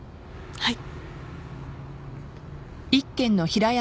はい。